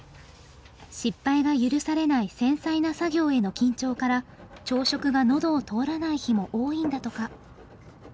失敗が許されない繊細な作業への緊張から朝食が喉を通らない日も多いんだとか。